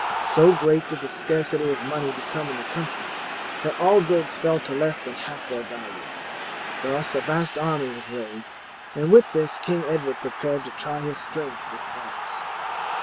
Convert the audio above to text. So great did the scarcity of money become in the country that all goods fell to less than half their value. Thus a vast army was raised, and with this King Edward prepared to try his strength with France."